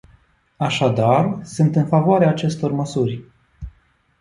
Așadar, sunt în favoarea acestor măsuri.